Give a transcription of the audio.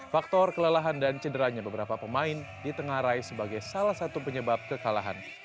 faktor kelelahan dan cederanya beberapa pemain ditengarai sebagai salah satu penyebab kekalahan